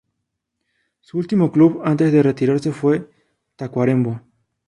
Su último club antes de retirarse fue Tacuarembó.